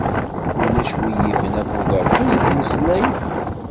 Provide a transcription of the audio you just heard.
Ulac win yifen abugaṭu deg tmeslayt.